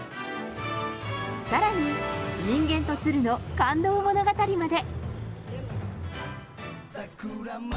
さらに人間と鶴の感動物語まで。